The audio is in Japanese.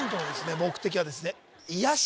目的はですね・